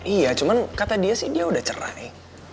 iya cuma kata dia sih dia udah cerai